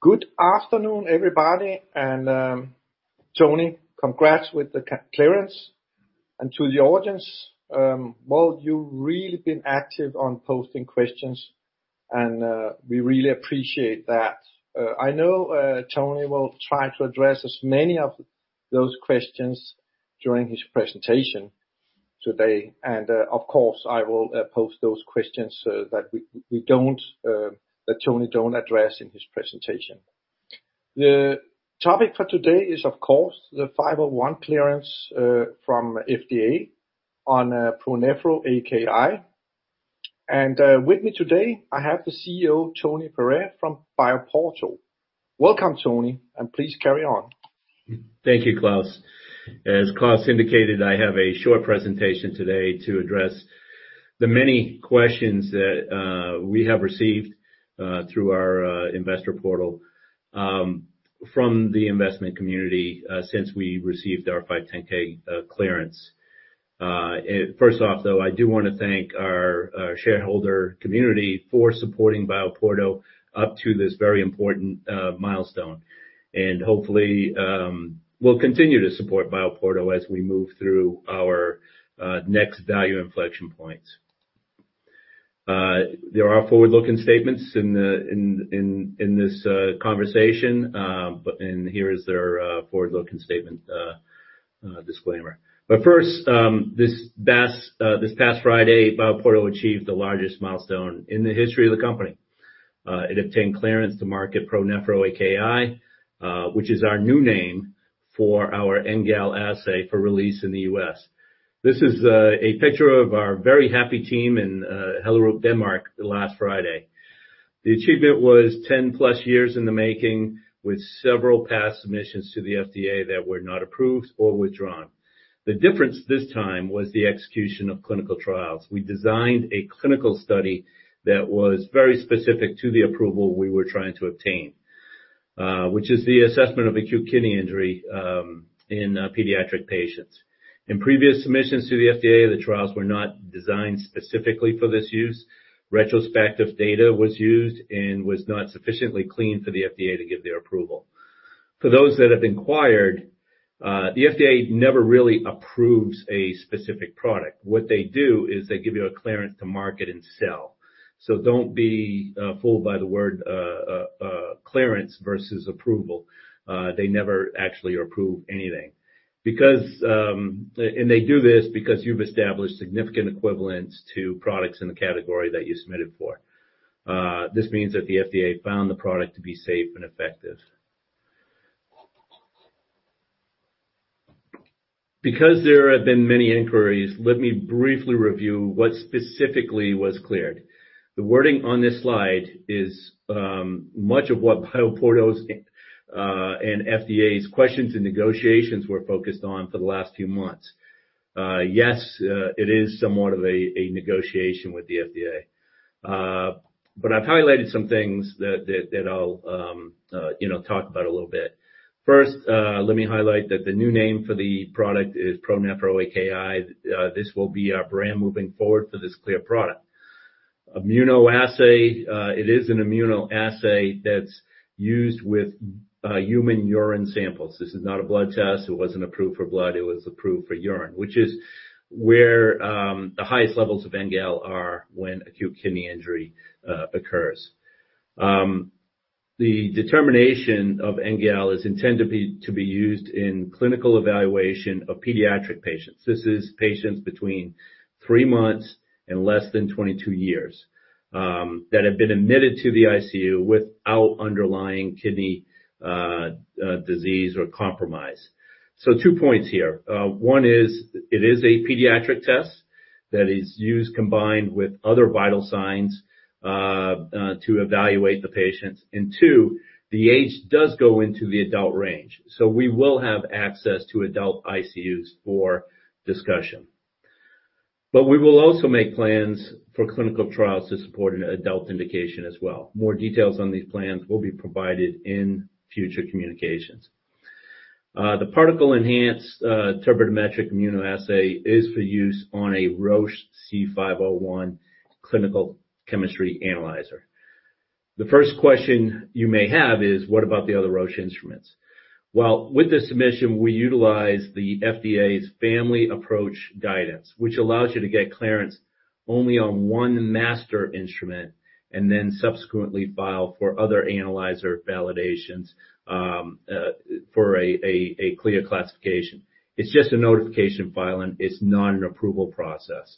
Good afternoon, everybody. Tony, congrats with the clearance. To the audience, well, you've really been active on posting questions, and we really appreciate that. I know Tony will try to address as many of those questions during his presentation today. Of course, I will post those questions that we don't that Tony don't address in his presentation. The topic for today is, of course, the 510(k) clearance from FDA on ProNephro AKI. With me today, I have the CEO, Tony Pare, from BioPorto. Welcome, Tony, and please carry on. Thank you, Claus. As Claus indicated, I have a short presentation today to address the many questions that we have received through our investor portal from the investment community since we received our 510(k) clearance. And first off, though, I do want to thank our shareholder community for supporting BioPorto up to this very important milestone. And hopefully, we'll continue to support BioPorto as we move through our next value inflection points. There are forward-looking statements in this conversation, but and here is their forward-looking statement disclaimer. But first, this past Friday, BioPorto achieved the largest milestone in the history of the company. It obtained clearance to market ProNephro AKI, which is our new name for our NGAL assay for release in the U.S. This is a picture of our very happy team in Hellerup, Denmark, last Friday. The achievement was 10+ years in the making, with several past submissions to the FDA that were not approved or withdrawn. The difference this time was the execution of clinical trials. We designed a clinical study that was very specific to the approval we were trying to obtain, which is the assessment of Acute Kidney Injury in pediatric patients. In previous submissions to the FDA, the trials were not designed specifically for this use. Retrospective data was used and was not sufficiently clean for the FDA to give their approval. For those that have inquired, the FDA never really approves a specific product. What they do is they give you a clearance to market and sell. So don't be fooled by the word clearance versus approval. They never actually approve anything. Because they do this because you've established significant equivalence to products in the category that you submitted for. This means that the FDA found the product to be safe and effective. Because there have been many inquiries, let me briefly review what specifically was cleared. The wording on this slide is much of what BioPorto's and FDA's questions and negotiations were focused on for the last few months. Yes, it is somewhat of a negotiation with the FDA. But I've highlighted some things that I'll you know talk about a little bit. First, let me highlight that the new name for the product is ProNephro AKI. This will be our brand moving forward for this clear product. Immunoassay, it is an immunoassay that's used with, human urine samples. This is not a blood test. It wasn't approved for blood. It was approved for urine, which is where, the highest levels of NGAL are when Acute Kidney Injury, occurs. The determination of NGAL is intended to be, to be used in clinical evaluation of pediatric patients. This is patients between 3 months and less than 22 years, that have been admitted to the ICU without underlying kidney, disease or compromise. So two points here. One is, it is a pediatric test that is used combined with other vital signs, to evaluate the patients. And two, the age does go into the adult range, so we will have access to adult ICUs for discussion. But we will also make plans for clinical trials to support an adult indication as well. More details on these plans will be provided in future communications. The particle-enhanced turbidimetric immunoassay is for use on a Roche cobas c 501 clinical chemistry analyzer. The first question you may have is: What about the other Roche instruments? Well, with this submission, we utilize the FDA's family approach guidance, which allows you to get clearance only on one master instrument, and then subsequently file for other analyzer validations for a clear classification. It's just a notification filing. It's not an approval process.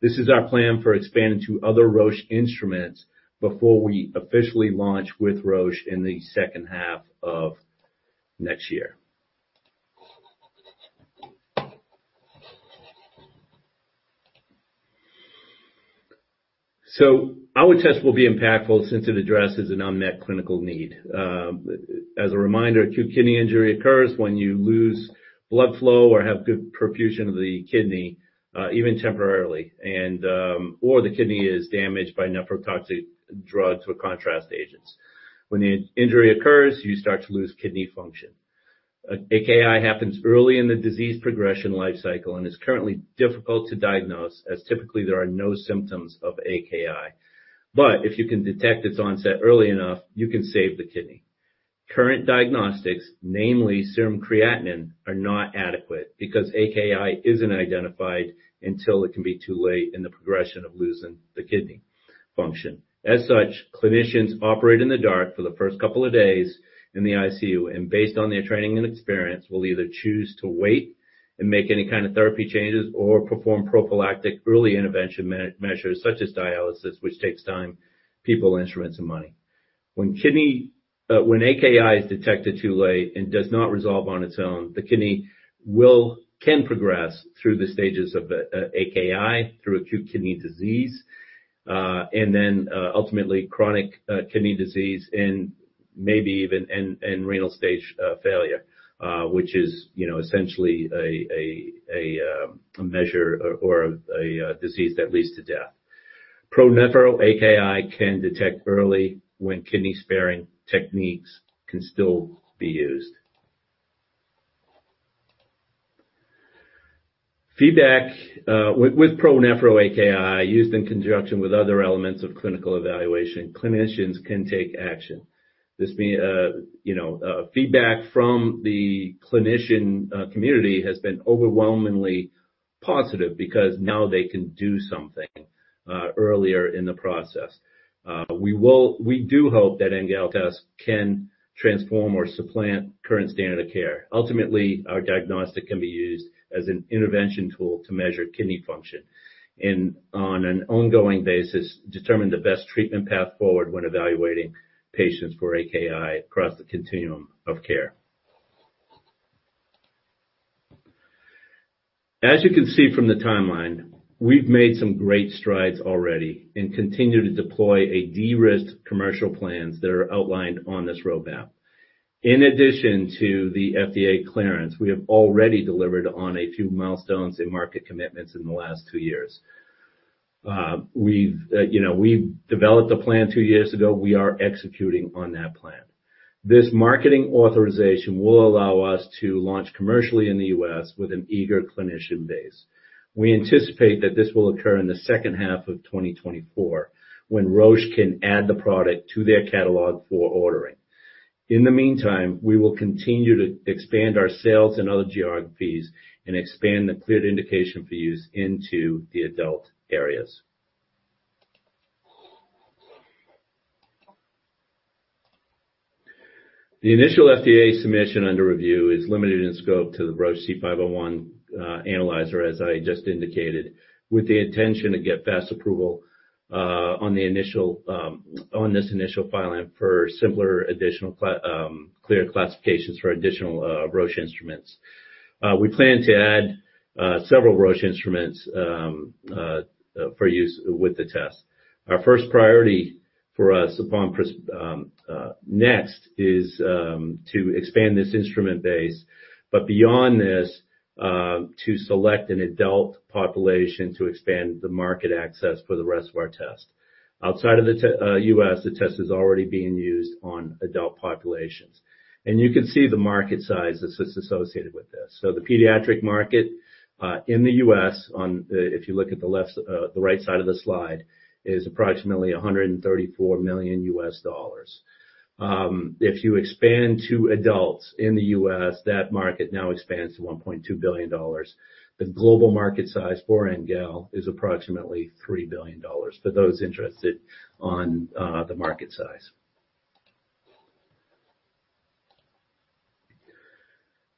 This is our plan for expanding to other Roche instruments before we officially launch with Roche in the second half of next year. Our test will be impactful since it addresses an unmet clinical need. As a reminder, Acute Kidney Injury occurs when you lose blood flow or have good perfusion of the kidney, even temporarily, and or the kidney is damaged by nephrotoxic drugs or contrast agents. When the injury occurs, you start to lose kidney function... AKI happens early in the disease progression life cycle and is currently difficult to diagnose, as typically there are no symptoms of AKI. But if you can detect its onset early enough, you can save the kidney. Current diagnostics, namely serum creatinine, are not adequate because AKI isn't identified until it can be too late in the progression of losing the kidney function. As such, clinicians operate in the dark for the first couple of days in the ICU, and based on their training and experience, will either choose to wait and make any kind of therapy changes or perform prophylactic early intervention measures such as dialysis, which takes time, people, instruments, and money. When AKI is detected too late and does not resolve on its own, the kidney can progress through the stages of the AKI, through acute kidney disease, and then ultimately chronic kidney disease and maybe even renal stage failure, which is, you know, essentially a measure or a disease that leads to death. ProNephro AKI can detect early when kidney-sparing techniques can still be used. Feedback with ProNephro AKI used in conjunction with other elements of clinical evaluation, clinicians can take action. This means, you know, feedback from the clinician community has been overwhelmingly positive because now they can do something earlier in the process. We do hope that NGAL test can transform or supplant current standard of care. Ultimately, our diagnostic can be used as an intervention tool to measure kidney function, and on an ongoing basis, determine the best treatment path forward when evaluating patients for AKI across the continuum of care. As you can see from the timeline, we've made some great strides already and continue to deploy a de-risked commercial plans that are outlined on this roadmap. In addition to the FDA clearance, we have already delivered on a few milestones and market commitments in the last two years. You know, we've developed a plan two years ago. We are executing on that plan. This marketing authorization will allow us to launch commercially in the U.S. with an eager clinician base. We anticipate that this will occur in the second half of 2024, when Roche can add the product to their catalog for ordering. In the meantime, we will continue to expand our sales in other geographies and expand the cleared indication for use into the adult areas. The initial FDA submission under review is limited in scope to the Roche cobas® c 501 analyzer, as I just indicated, with the intention to get fast approval on this initial filing for simpler, additional clear classifications for additional Roche instruments. We plan to add several Roche instruments for use with the test. Our first priority for us next is to expand this instrument base, but beyond this, to select an adult population to expand the market access for the rest of our test. Outside of the U.S., the test is already being used on adult populations, and you can see the market size that is associated with this. So the pediatric market in the U.S., if you look at the right side of the slide, is approximately $134 million. If you expand to adults in the U.S., that market now expands to $1.2 billion. The global market size for NGAL is approximately $3 billion, for those interested in the market size.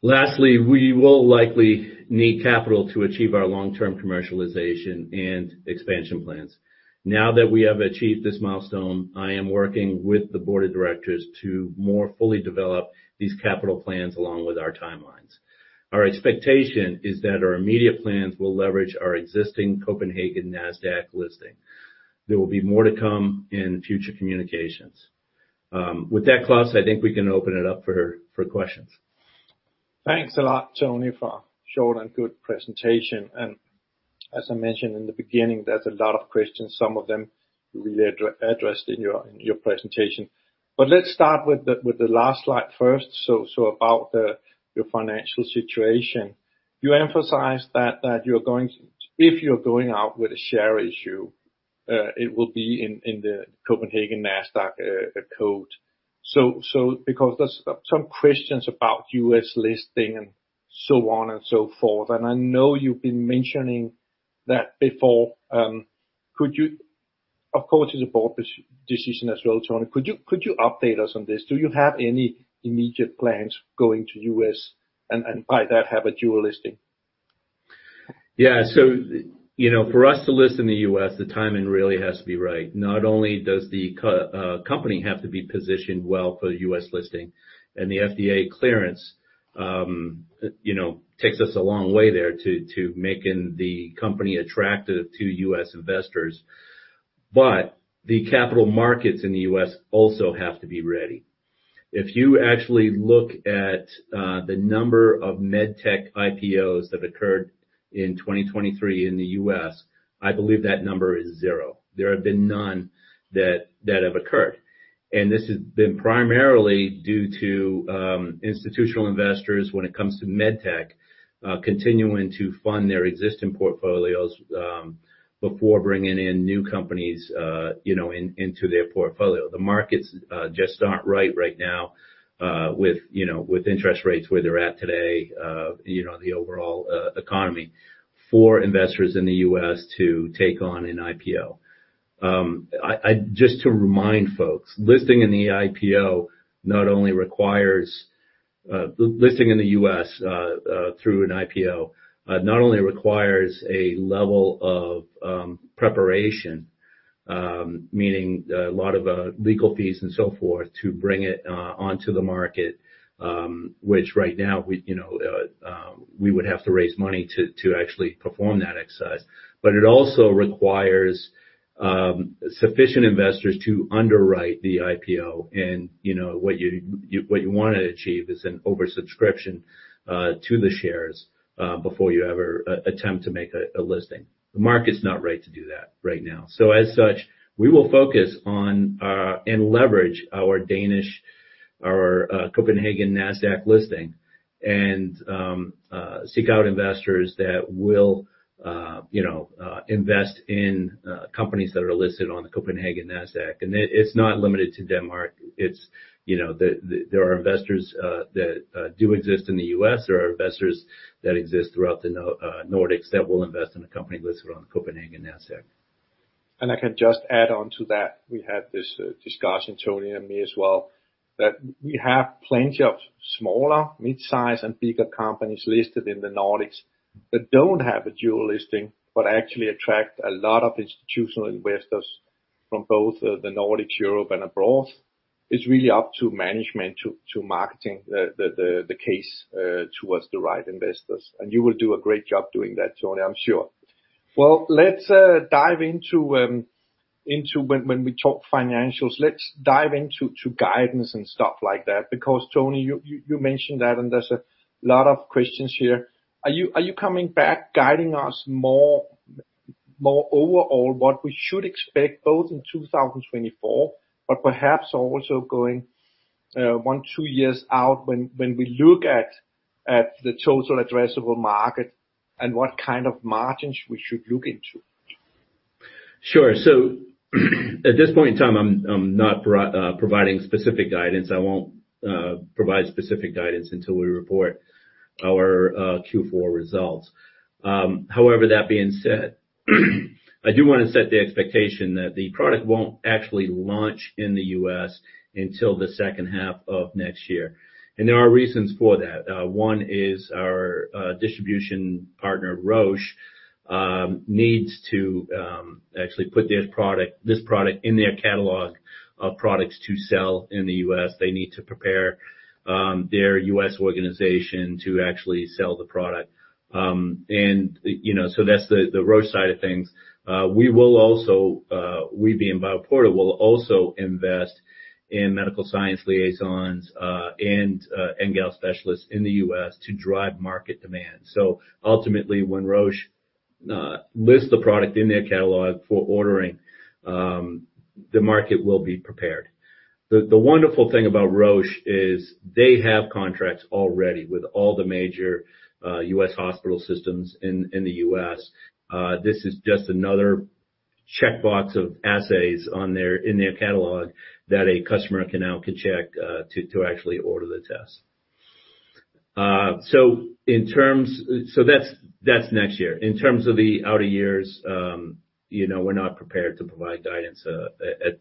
Lastly, we will likely need capital to achieve our long-term commercialization and expansion plans. Now that we have achieved this milestone, I am working with the board of directors to more fully develop these capital plans along with our timelines. Our expectation is that our immediate plans will leverage our existing Copenhagen NASDAQ listing. There will be more to come in future communications. With that, Claus, I think we can open it up for questions. Thanks a lot, Tony, for a short and good presentation. As I mentioned in the beginning, there's a lot of questions, some of them you already addressed in your presentation. But let's start with the last slide first, so about your financial situation. You emphasized that if you're going out with a share issue, it will be in the Copenhagen NASDAQ code. So because there's some questions about U.S. listing and so on and so forth, and I know you've been mentioning that before, could you... Of course, it's a board decision as well, Tony. Could you update us on this? Do you have any immediate plans going to U.S. and by that, have a dual listing? Yeah. So, you know, for us to list in the U.S., the timing really has to be right. Not only does the company have to be positioned well for U.S. listing, and the FDA clearance, you know, takes us a long way there to making the company attractive to US investors, but the capital markets in the U.S. also have to be ready. If you actually look at the number of medtech IPOs that occurred in 2023 in the U.S., I believe that number is zero. There have been none that have occurred, and this has been primarily due to institutional investors when it comes to med tech continuing to fund their existing portfolios before bringing in new companies, you know, into their portfolio. The markets just aren't right, right now, with, you know, with interest rates where they're at today, you know, the overall economy for investors in the U.S. to take on an IPO. Just to remind folks, listing in the U.S. through an IPO not only requires a level of preparation, meaning a lot of legal fees and so forth to bring it onto the market, which right now, we, you know, we would have to raise money to actually perform that exercise. But it also requires sufficient investors to underwrite the IPO and, you know, what you wanna achieve is an oversubscription to the shares before you ever attempt to make a listing. The market's not right to do that right now. So as such, we will focus on, and leverage our Danish, our, Copenhagen NASDAQ listing, and, seek out investors that will, you know, invest in, companies that are listed on the NASDAQ Copenhagen. And it, it's not limited to Denmark, it's, you know, the, there are investors, that, do exist in the U.S., there are investors that exist throughout the Nordics that will invest in a company listed on the NASDAQ Copenhagen. I can just add on to that, we had this discussion, Tony and me as well, that we have plenty of smaller, midsize, and bigger companies listed in the Nordics that don't have a dual listing, but actually attract a lot of institutional investors from both the Nordics, Europe, and abroad. It's really up to management, to marketing the case towards the right investors, and you will do a great job doing that, Tony, I'm sure. Well, let's dive into when we talk financials, let's dive into guidance and stuff like that. Because Tony, you mentioned that, and there's a lot of questions here. Are you coming back guiding us more overall what we should expect, both in 2024, but perhaps also going one, two years out when we look at the total addressable market and what kind of margins we should look into? Sure. So at this point in time, I'm not providing specific guidance. I won't provide specific guidance until we report our Q4 results. However, that being said, I do wanna set the expectation that the product won't actually launch in the U.S. until the second half of next year, and there are reasons for that. One is our distribution partner, Roche, needs to actually put this product, this product in their catalog of products to sell in the U.S. They need to prepare their U.S. organization to actually sell the product. And, you know, so that's the Roche side of things. We will also, we, being BioPorto, will also invest in medical science liaisons and NGAL specialists in the U.S. to drive market demand. So ultimately, when Roche lists the product in their catalog for ordering, the market will be prepared. The wonderful thing about Roche is they have contracts already with all the major U.S. hospital systems in the U.S. This is just another checkbox of assays on their catalog that a customer can now can check to actually order the test. So that's next year. In terms of the outer years, you know, we're not prepared to provide guidance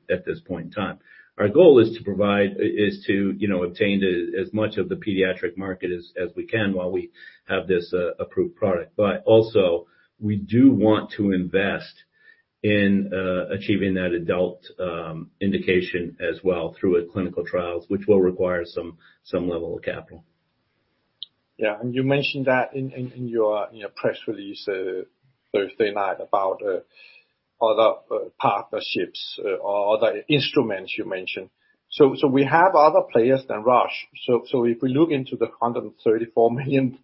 at this point in time. Our goal is to provide is to, you know, obtain as much of the pediatric market as we can while we have this approved product. But also, we do want to invest in achieving that adult indication as well through a clinical trials, which will require some level of capital. Yeah, and you mentioned that in your, you know, press release Thursday night about other partnerships or other instruments you mentioned. So we have other players than Roche. So if we look into the $134 million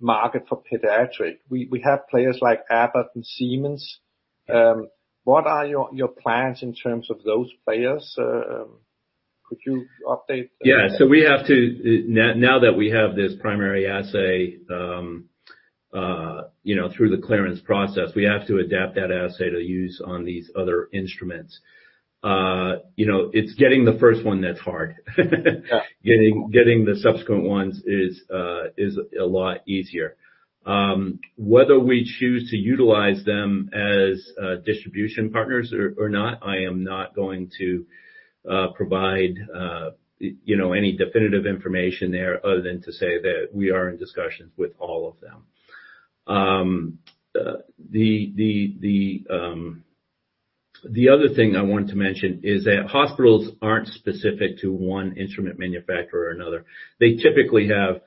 market for pediatric, we have players like Abbott and Siemens. What are your plans in terms of those players? Could you update? Yeah. So we have to now that we have this primary assay, you know, through the clearance process, we have to adapt that assay to use on these other instruments. You know, it's getting the first one that's hard. Yeah. Getting the subsequent ones is a lot easier. Whether we choose to utilize them as distribution partners or not, I am not going to provide you know any definitive information there, other than to say that we are in discussions with all of them. The other thing I wanted to mention is that hospitals aren't specific to one instrument manufacturer or another. They typically have,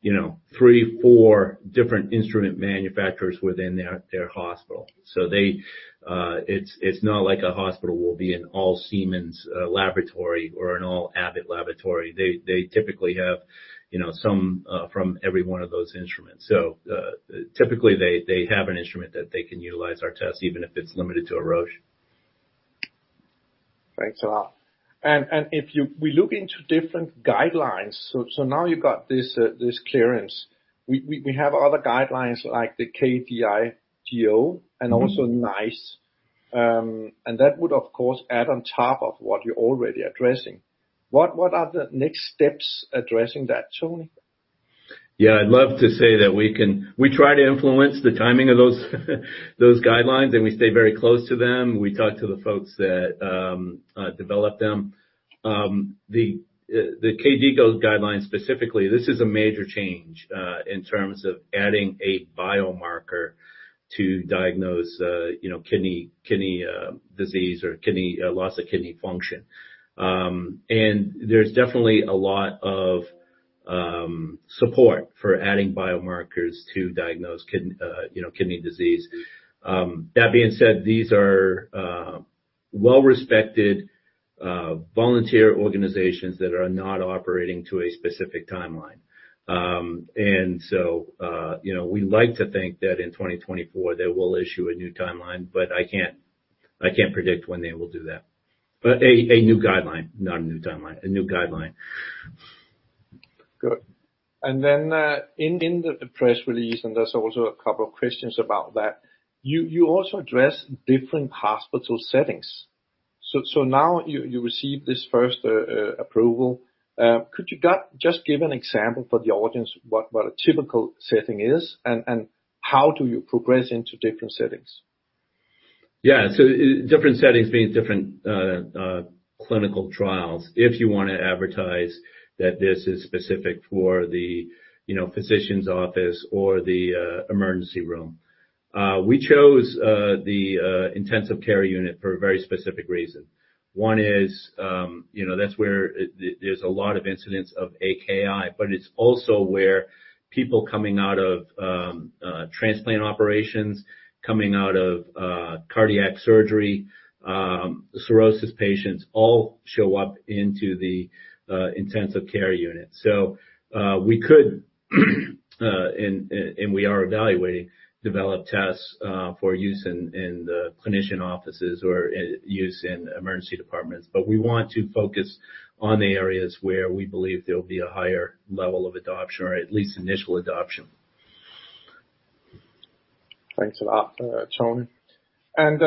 you know, three, four different instrument manufacturers within their hospital. So they, it's not like a hospital will be an all Siemens laboratory or an all Abbott laboratory. They typically have, you know, some from every one of those instruments. So typically, they have an instrument that they can utilize our tests, even if it's limited to a Roche.... Thanks a lot. And if we look into different guidelines, so now you've got this clearance. We have other guidelines like the KDIGO and also NICE, and that would, of course, add on top of what you're already addressing. What are the next steps addressing that, Tony? Yeah, I'd love to say that we try to influence the timing of those guidelines, and we stay very close to them. We talk to the folks that develop them. The KDIGO guidelines specifically, this is a major change in terms of adding a biomarker to diagnose, you know, kidney disease or kidney loss of kidney function. And there's definitely a lot of support for adding biomarkers to diagnose kidney, you know, kidney disease. That being said, these are well-respected volunteer organizations that are not operating to a specific timeline. And so, you know, we like to think that in 2024, they will issue a new timeline, but I can't predict when they will do that. But a new guideline, not a new timeline, a new guideline. Good. And then, in the press release, and there's also a couple of questions about that, you also address different hospital settings. So now you receive this first approval. Could you just give an example for the audience, what a typical setting is, and how do you progress into different settings? Yeah. So different settings means different clinical trials, if you wanna advertise that this is specific for the, you know, physician's office or the emergency room. We chose the intensive care unit for a very specific reason. One is, you know, that's where it, there's a lot of incidents of AKI, but it's also where people coming out of transplant operations, coming out of cardiac surgery, cirrhosis patients, all show up into the intensive care unit. So, we could, and we are evaluating, develop tests for use in the clinician offices or use in emergency departments. But we want to focus on the areas where we believe there'll be a higher level of adoption, or at least initial adoption. Thanks a lot, Tony. And,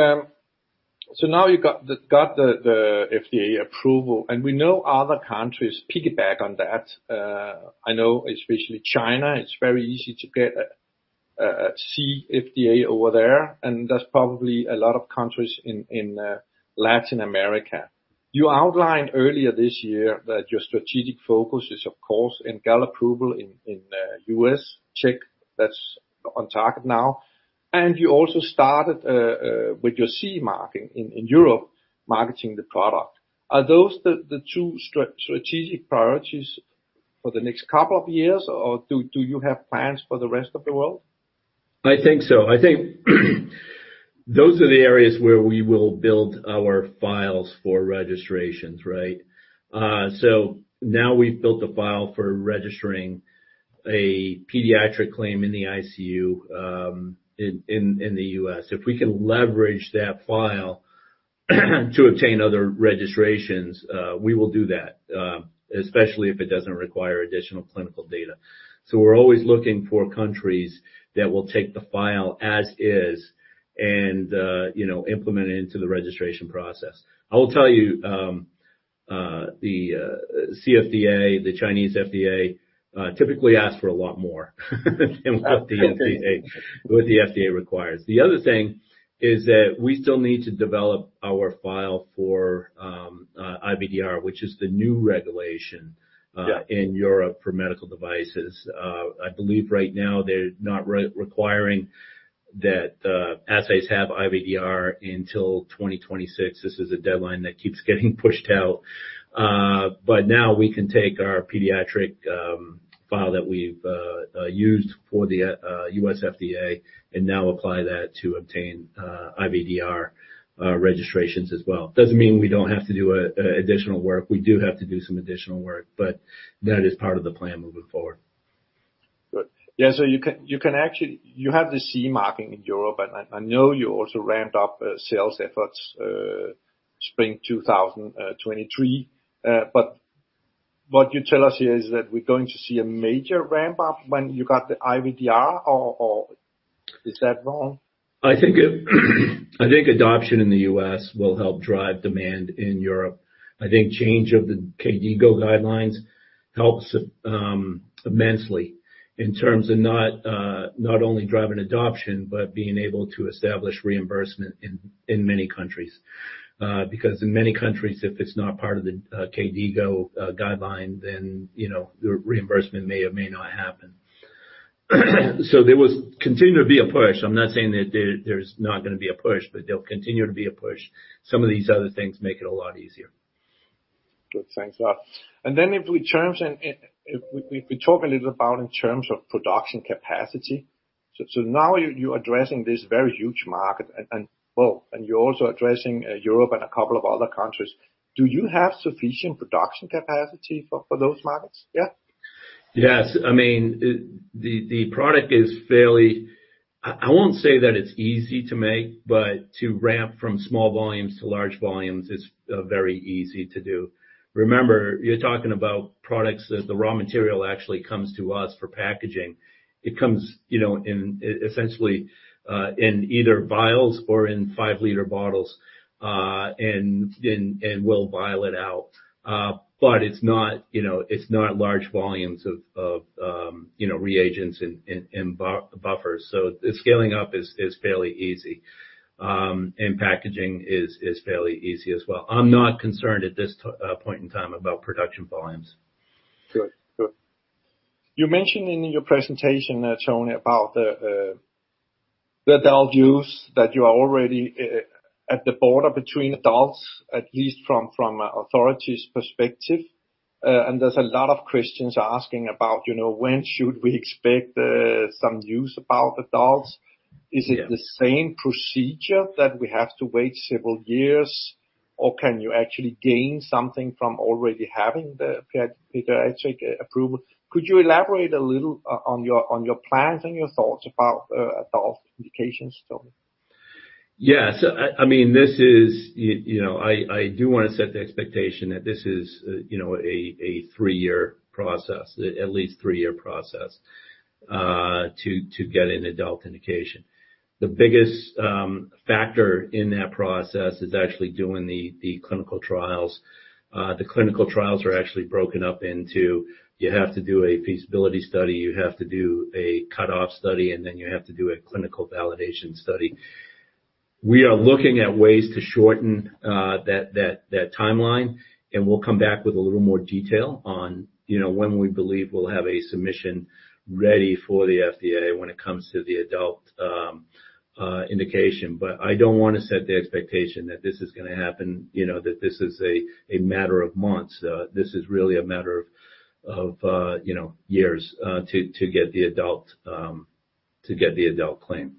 so now you've got the FDA approval, and we know other countries piggyback on that. I know especially China, it's very easy to get a CFDA over there, and there's probably a lot of countries in Latin America. You outlined earlier this year that your strategic focus is, of course, NGAL approval in the U.S. Yeah, that's on target now. And you also started with your CE marking in Europe, marketing the product. Are those the two strategic priorities for the next couple of years, or do you have plans for the rest of the world? I think so. I think, those are the areas where we will build our files for registrations, right? So now we've built a file for registering a pediatric claim in the ICU, in the U.S. If we can leverage that file to obtain other registrations, we will do that, especially if it doesn't require additional clinical data. So we're always looking for countries that will take the file as is, and, you know, implement it into the registration process. I will tell you, the CFDA, the Chinese FDA, typically ask for a lot more, than what the FDA requires. The other thing is that we still need to develop our file for, IVDR, which is the new regulation- Yeah... in Europe for medical devices. I believe right now, they're not requiring that assays have IVDR until 2026. This is a deadline that keeps getting pushed out. But now we can take our pediatric file that we've used for the U.S. FDA, and now apply that to obtain IVDR registrations as well. Doesn't mean we don't have to do additional work. We do have to do some additional work, but that is part of the plan moving forward. Good. Yeah, so you can, you can actually—you have the CE marking in Europe, and I, I know you also ramped up sales efforts, spring 2023. But what you tell us here is that we're going to see a major ramp-up when you got the IVDR, or, or is that wrong? I think, I think adoption in the U.S. will help drive demand in Europe. I think change of the KDIGO guidelines helps immensely in terms of not only driving adoption, but being able to establish reimbursement in many countries. Because in many countries, if it's not part of the KDIGO guideline, then, you know, the reimbursement may or may not happen. So there was continue to be a push. I'm not saying that there, there's not gonna be a push, but there'll continue to be a push. Some of these other things make it a lot easier. Good. Thanks a lot. And then if we turn to, we talk a little about in terms of production capacity. So now you're addressing this very huge market, and, well, and you're also addressing, Europe and a couple of other countries. Do you have sufficient production capacity for those markets yet?... Yes, I mean, the product is fairly. I won't say that it's easy to make, but to ramp from small volumes to large volumes is very easy to do. Remember, you're talking about products that the raw material actually comes to us for packaging. It comes, you know, in essentially in either vials or in five-liter bottles, and we'll vial it out. But it's not, you know, it's not large volumes of you know, reagents and buffers. So the scaling up is fairly easy. And packaging is fairly easy as well. I'm not concerned at this point in time about production volumes. Good. Good. You mentioned in your presentation, Tony, about the, the adult use, that you are already, at the border between adults, at least from, from the authorities perspective. And there's a lot of questions asking about, you know, when should we expect, some news about adults? Yeah. Is it the same procedure that we have to wait several years, or can you actually gain something from already having the pediatric approval? Could you elaborate a little on your plans and your thoughts about adult indications, Tony? Yes. I mean, this is... You know, I do wanna set the expectation that this is, you know, a three-year process, at least three-year process, to get an adult indication. The biggest factor in that process is actually doing the clinical trials. The clinical trials are actually broken up into, you have to do a feasibility study, you have to do a cutoff study, and then you have to do a clinical validation study. We are looking at ways to shorten that timeline, and we'll come back with a little more detail on, you know, when we believe we'll have a submission ready for the FDA when it comes to the adult indication. But I don't wanna set the expectation that this is gonna happen, you know, that this is a matter of months. This is really a matter of, you know, to get the adult claim.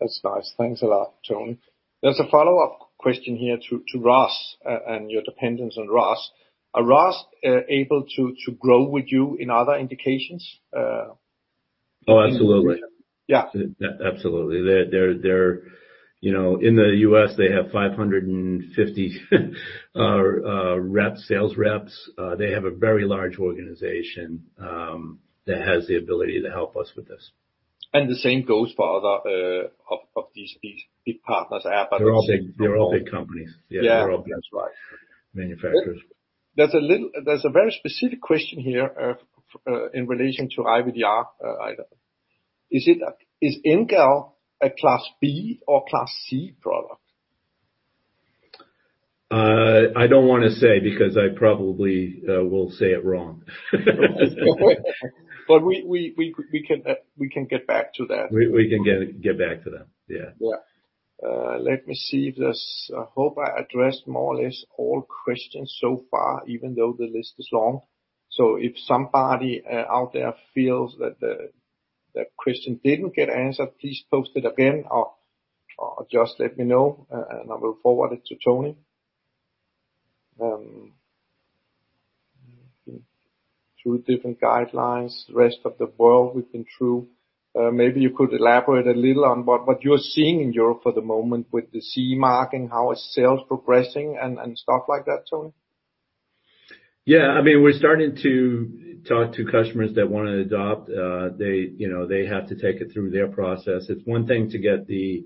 That's nice. Thanks a lot, Tony. There's a follow-up question here to Roche and your dependence on Roche Are Roche able to grow with you in other indications? Oh, absolutely. Yeah. Absolutely. They're, you know, in the U.S., they have 550 sales reps. They have a very large organization that has the ability to help us with this. And the same goes for other of these big partners, Abbott- They're all big, they're all big companies. Yeah. Yeah, they're all That's right. Manufacturers. There's a very specific question here in relation to IVDR item. Is NGAL a Class B or Class C product? I don't wanna say, because I probably will say it wrong. But we can get back to that. We can get back to that. Yeah. Yeah. Let me see if there's... I hope I addressed more or less all questions so far, even though the list is long. So if somebody out there feels that their question didn't get answered, please post it again or just let me know, and I will forward it to Tony. Two different guidelines, the rest of the world we've been through. Maybe you could elaborate a little on what you're seeing in Europe for the moment with the CE marking, how is sales progressing and stuff like that, Tony? Yeah, I mean, we're starting to talk to customers that wanna adopt. They, you know, they have to take it through their process. It's one thing to get the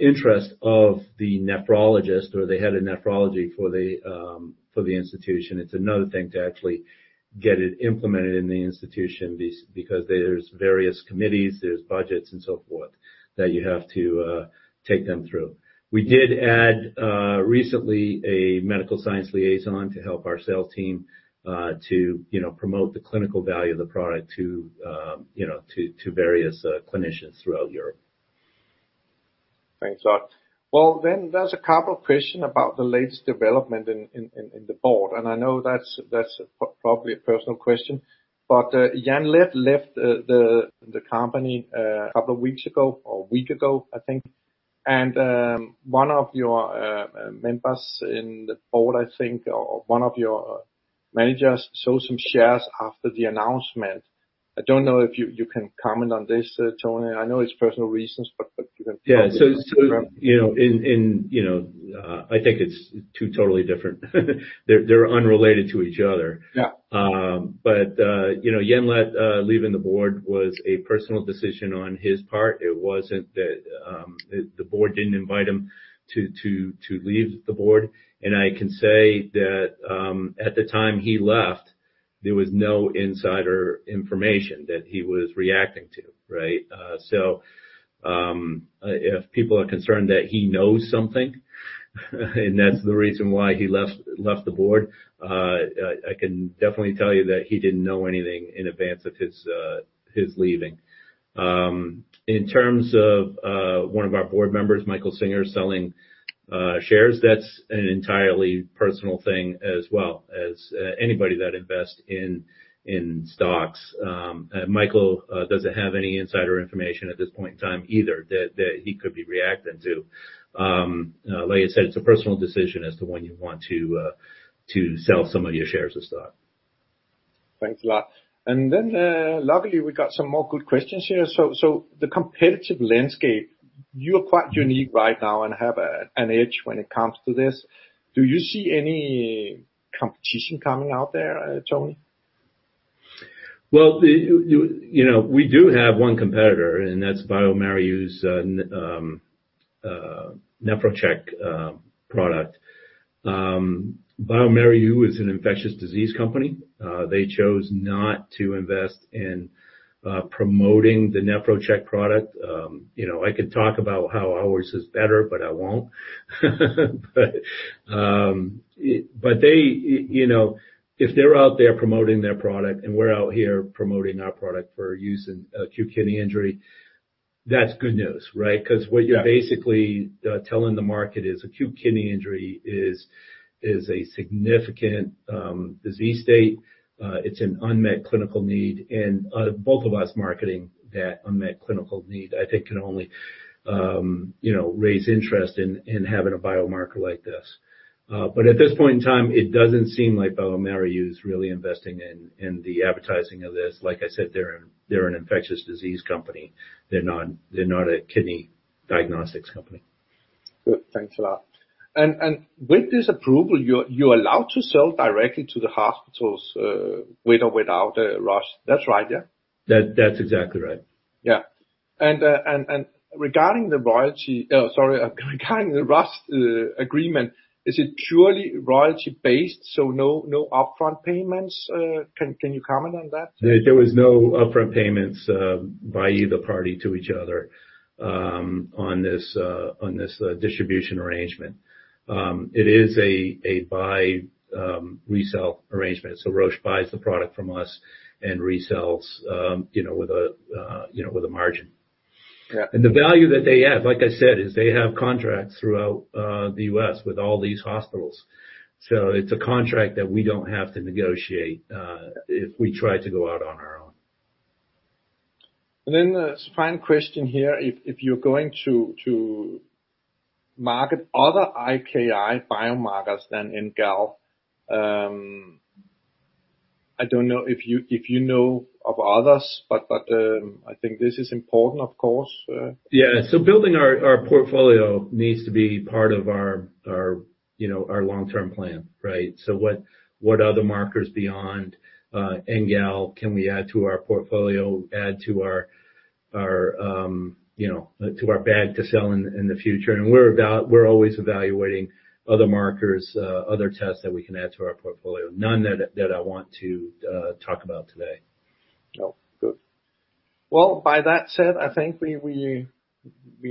interest of the nephrologist or the head of nephrology for the institution. It's another thing to actually get it implemented in the institution because there's various committees, there's budgets, and so forth, that you have to take them through. We did add recently a medical science liaison to help our sales team to, you know, promote the clinical value of the product to, you know, to various clinicians throughout Europe. Thanks a lot. Well, then there's a couple of question about the latest development in the board, and I know that's probably a personal question. But Jan Leth left the company a couple of weeks ago or a week ago, I think. And one of your members in the board, I think, or one of your managers, sold some shares after the announcement. I don't know if you can comment on this, Tony. I know it's personal reasons, but you can- Yeah. So, you know, in, you know, I think it's two totally different... They're unrelated to each other. Yeah. But you know, Jan Lett leaving the board was a personal decision on his part. It wasn't that the board didn't invite him to leave the board. And I can say that at the time he left, there was no insider information that he was reacting to, right? So if people are concerned that he knows something, and that's the reason why he left the board, I can definitely tell you that he didn't know anything in advance of his leaving. In terms of one of our board members, Michael Singer, selling shares, that's an entirely personal thing as well as anybody that invests in stocks. Michael doesn't have any insider information at this point in time either, that he could be reacting to. Like I said, it's a personal decision as to when you want to sell some of your shares of stock.... Thanks a lot. And then, luckily, we got some more good questions here. So the competitive landscape, you are quite unique right now and have an edge when it comes to this. Do you see any competition coming out there, Tony? Well, you know, we do have one competitor, and that's bioMérieux's NEPHROCHECK product. bioMérieux is an infectious disease company. They chose not to invest in promoting the NEPHROCHECK product. You know, I could talk about how ours is better, but I won't. But they, you know, if they're out there promoting their product, and we're out here promoting our product for use in Acute Kidney Injury, that's good news, right? Yeah. 'Cause what you're basically telling the market is Acute Kidney Injury is a significant disease state. It's an unmet clinical need, and both of us marketing that unmet clinical need, I think can only, you know, raise interest in having a biomarker like this. But at this point in time, it doesn't seem like bioMérieux is really investing in the advertising of this. Like I said, they're an infectious disease company. They're not a kidney diagnostics company. Good. Thanks a lot. And with this approval, you're allowed to sell directly to the hospitals, with or without Roche? That's right, yeah? That, that's exactly right. Yeah. And regarding the royalty... Sorry. Regarding the Roche agreement, is it purely royalty-based, so no upfront payments? Can you comment on that? There, there was no upfront payments by either party to each other, on this, on this, distribution arrangement. It is a buy resell arrangement. So Roche buys the product from us and resells, you know, with a, you know, with a margin. Yeah. The value that they have, like I said, is they have contracts throughout the U.S. with all these hospitals. So it's a contract that we don't have to negotiate if we try to go out on our own. And then, final question here. If you're going to market other AKI biomarkers than NGAL, I don't know if you know of others, but I think this is important, of course. Yeah. So building our portfolio needs to be part of our you know our long-term plan, right? So what other markers beyond NGAL can we add to our portfolio, add to our you know to our bag to sell in the future? And we're always evaluating other markers other tests that we can add to our portfolio. None that I want to talk about today. Oh, good. Well, by that said, I think we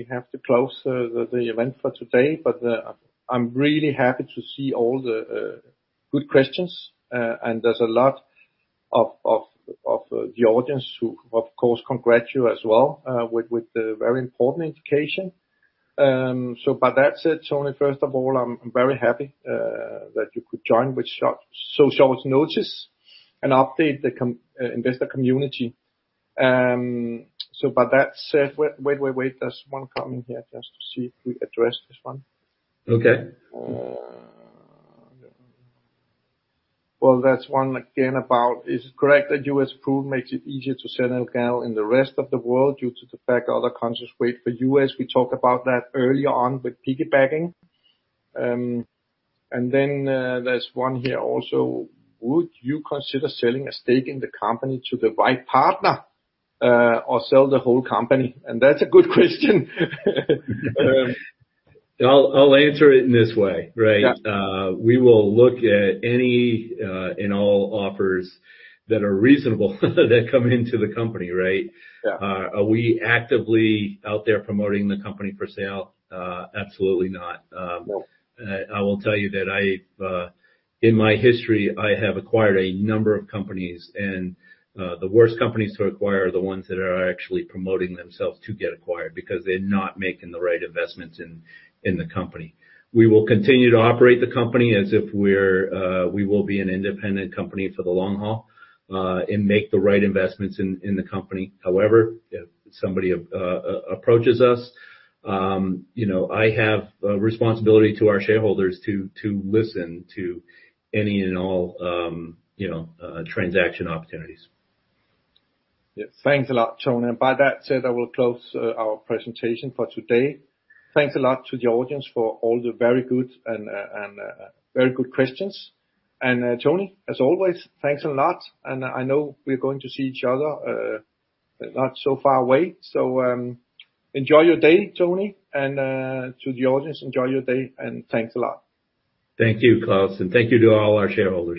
have to close the event for today. But, I'm really happy to see all the good questions, and there's a lot of the audience who, of course, congratulate you as well with the very important indication. So by that said, Tony, first of all, I'm very happy that you could join with so short notice and update the investor community. So by that said... Wait, wait, wait. There's one coming here just to see if we addressed this one. Okay. Well, that's one again about: "Is it correct that U.S. approval makes it easier to sell NGAL in the rest of the world, due to the fact other countries wait for U.S.?" We talked about that earlier on with piggybacking. And then, there's one here also: "Would you consider selling a stake in the company to the right partner, or sell the whole company?" And that's a good question. I'll answer it in this way, right? Yeah. We will look at any, and all offers that are reasonable, that come into the company, right? Yeah. Are we actively out there promoting the company for sale? Absolutely not. No. I will tell you that I, in my history, I have acquired a number of companies, and the worst companies to acquire are the ones that are actually promoting themselves to get acquired, because they're not making the right investments in the company. We will continue to operate the company as if we will be an independent company for the long haul, and make the right investments in the company. However, if somebody approaches us, you know, I have a responsibility to our shareholders to listen to any and all, you know, transaction opportunities. Yeah. Thanks a lot, Tony. And by that said, I will close our presentation for today. Thanks a lot to the audience for all the very good and very good questions. And Tony, as always, thanks a lot, and I know we're going to see each other not so far away. So, enjoy your day, Tony, and to the audience, enjoy your day, and thanks a lot. Thank you, Claus, and thank you to all our shareholders.